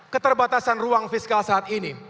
keterbatasan ruang fiskal saat ini